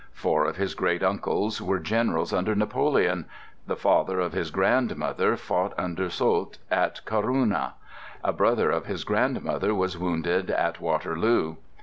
Four of his great uncles were generals under Napoleon. The father of his grandmother fought under Soult at Corunna. A brother of his grandmother was wounded at Waterloo.